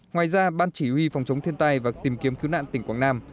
ngoài ra ban chỉ huy phòng chống thiên tai và tìm kiếm cứu nạn tỉnh quảng nam